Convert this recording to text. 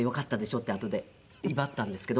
ってあとで威張ったんですけど。